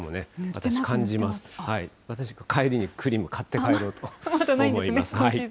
私、帰りにクリーム買って帰ろうと思います。